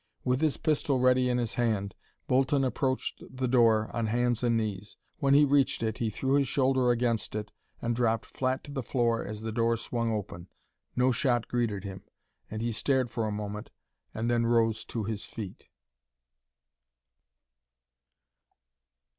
With his pistol ready in his hand, Bolton approached the door on hands and knees. When he reached it he threw his shoulder against it and dropped flat to the floor as the door swung open. No shot greeted him, and he stared for a moment and then rose to his feet.